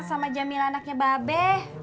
sama jamil anaknya babe